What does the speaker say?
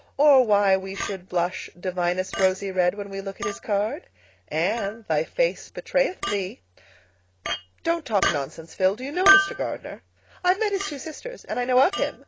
Or why we should blush divinest rosy red when we look at his card? Anne, thy face betrayeth thee." "Don't talk nonsense, Phil. Do you know Mr. Gardner?" "I've met his two sisters, and I know of him.